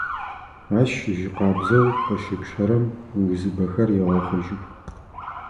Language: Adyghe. Ащ жьы къабзэу къыщэпщэрэм узыбэхэр егъэхъужьых.